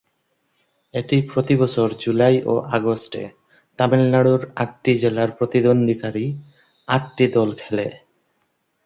এটি প্রতি বছর জুলাই ও আগস্টে তামিলনাড়ুর আটটি জেলার প্রতিনিধিত্বকারী আট টি দল খেলে।